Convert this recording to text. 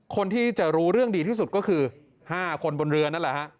คนที่จะรู้เรื่องดีที่สุดก็คือ๕คนบนเรือนั่นแหละฮะ